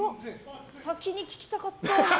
先に聞きたかった。